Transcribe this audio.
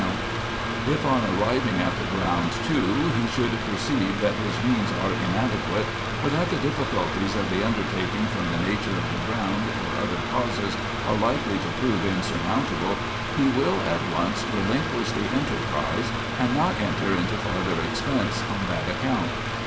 28 RESEARCHES AND OPERATIONS •• If, on arriving at the ground, too, he should perceive that his means are inadequate, or that the difficulties of the undertaking, from the nature of the ground, or other causes, are likely to prove insurmountable, he will, at once, relinquish the enterprise, and not enter into farther expense on that account.